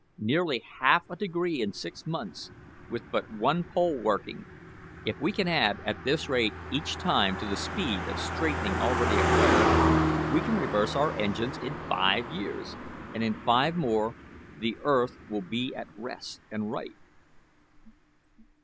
"Nearly half a degree in six months, with but one pole working. If we can add at this rate each time to the speed of straightening already acquired, we can reverse our engines in five years, and in five more the earth will be at rest and right."